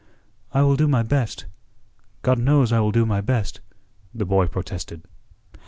"I will do my best. God knows I will do my best," the boy protested.